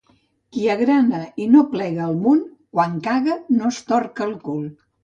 Qui agrana i no plega el munt, quan caga no es torca el cul.